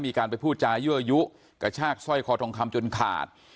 มีการไปพูดจายั่วยุกระชากสร้อยคอทองคำจนขาด